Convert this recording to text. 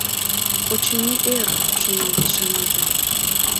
«Очыни, эр, — шоналтыш Анита.